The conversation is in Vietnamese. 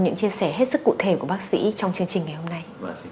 những chia sẻ hết sức cụ thể của bác sĩ trong chương trình ngày hôm nay